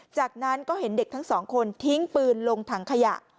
จากนั้นก็เห็นเด็กทั้งสองคนทิ้งปืนลงถังขยะ